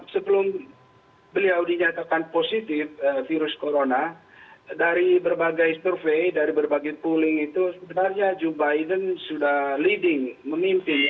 sebelum beliau dinyatakan positif virus corona dari berbagai survei dari berbagai pooling itu sebenarnya joe biden sudah leading memimpin